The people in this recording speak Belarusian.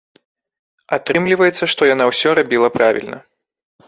Атрымліваецца, што яна ўсё рабіла правільна.